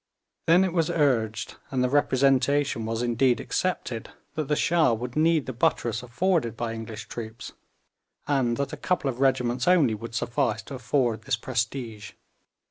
Then it was urged, and the representation was indeed accepted, that the Shah would need the buttress afforded by English troops, and that a couple of regiments only would suffice to afford this prestige.